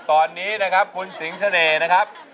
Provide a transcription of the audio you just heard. ตอนนี้นะครับคุณสิงเสน่ห์นะครับ